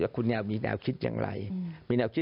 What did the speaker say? ว่าคุณมีแนวคิดอย่างไร